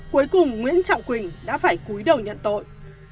cuối cùng nguyễn trọng quỳnh đã phải cuối đầu nhận tội